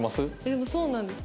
でもそうなんです。